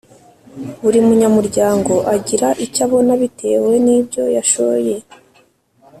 buri munyamuryango agira icyabona bitewe nibyo yashoye